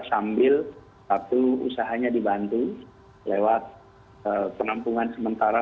sambil satu usahanya dibantu lewat penampungan sementara